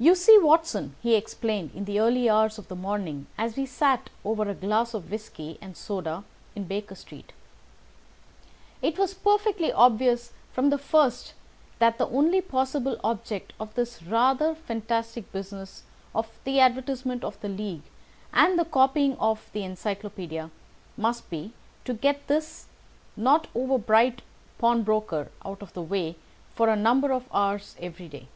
"You see, Watson," he explained in the early hours of the morning as we sat over a glass of whisky and soda in Baker Street, "it was perfectly obvious from the first that the only possible object of this rather fantastic business of the advertisement of the League, and the copying of the Encyclopædia, must be to get this not over bright pawnbroker out of the way for a number of hours every day.